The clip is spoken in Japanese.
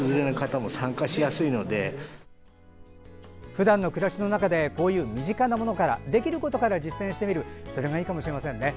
ふだんの暮らしの中でこういう身近なものからできることから実践してみるそれもいいかもしれませんね。